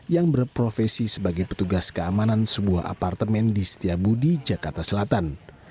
yang berprofesi sebagai petugas keamanan sebuah apartemen di setiabudi jakarta selatan